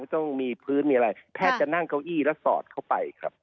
ต้องมีพื้นมีอะไรแพทย์จะนั่งเก้าอี้แล้วสอดเข้าไปครับ